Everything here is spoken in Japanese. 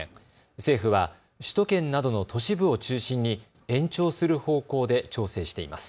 政府は首都圏などの都市部を中心に延長する方向で調整しています。